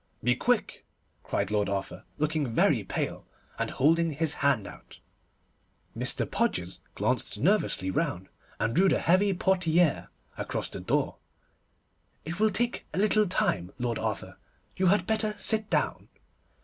'Be quick,' cried Lord Arthur, looking very pale, and holding his hand out. Mr. Podgers glanced nervously round, and drew the heavy portière across the door. 'It will take a little time, Lord Arthur, you had better sit down.